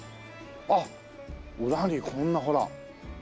あっ裏にこんなほら。